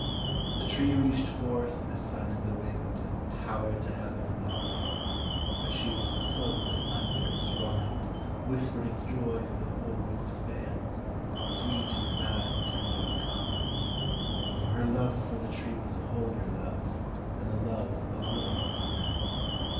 The tree reached forth to the sun and the wind And towered to heaven above. But she was the soul that under its rind Whispered its joy through the whole wood's span, Sweet and glad and tender and kind; For her love for the tree was a holier love Than the love of woman for man.